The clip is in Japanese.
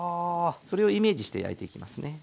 それをイメージして焼いていきますね。